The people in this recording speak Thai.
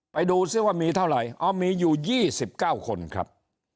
ไปดูซิว่ามีเท่าไหร่มีอยู่๒๙คนครับ